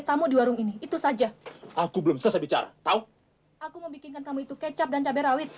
tamu di warung ini itu saja aku belum selesai bicara tahu aku membuatkan kamu itu kecap dan cabai rawit